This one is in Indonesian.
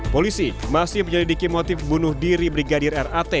polisi masih menyelidiki motif bunuh diri brigadir rat